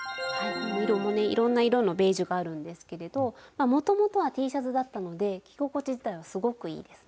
これ色もねいろんな色のベージュがあるんですけれどもともとはＴシャツだったので着心地自体はすごくいいですね。